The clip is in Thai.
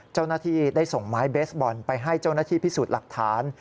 เจ้าหน้าที่ได้ส่งไม้เบสบอลไปให้เจ้าหน้าที่พิสูจน์หลักฐาน